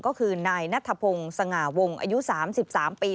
ก็คือนายนัทพงศ์สง่าวงอายุ๓๓ปี